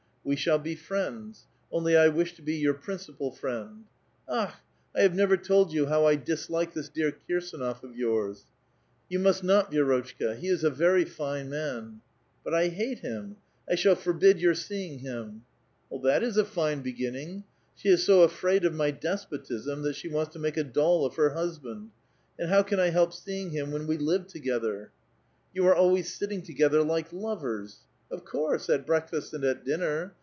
We shall be friends ; only I wish to be your princi pal friend. Akh I I have never told you how I dislike this clear Kirsdnof of yours !"*' You must not, Vi^rotchka ; he is a very fine man !"'' But I hate him ! I shall forbid yoxiT seeing him !"'* That is a fine beginning! She is so afraid of my des potism that she wants to make a doll of her husband. And liow can I help seeing him when we live together? *' You are always sitting together like lovers ! "Of course. At breakfast and at dinner.